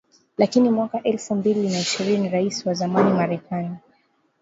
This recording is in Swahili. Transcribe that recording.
Lakini mwaka elfu mbili na ishirini Raisi wa zamani Marekani